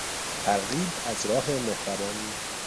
ترغیب از راه مهربانی